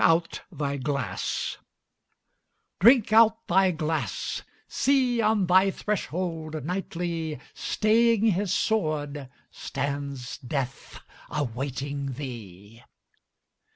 DRINK OUT THY GLASS Drink out thy glass! See, on thy threshold, nightly, Staying his sword, stands Death, awaiting thee.